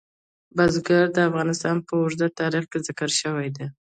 بزګان د افغانستان په اوږده تاریخ کې ذکر شوی دی.